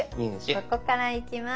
ここからいきます。